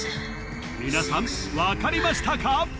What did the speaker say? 皆さんわかりましたか？